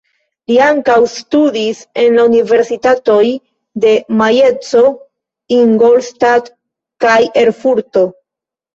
Li ankaŭ studis en la Universitatoj de Majenco, Ingolstadt kaj Erfurto.